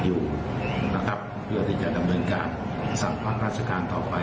อยู่นะครับเพื่อที่จะดำเนินการสั่งพักราชการต่อไป